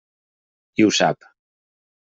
I ho sap.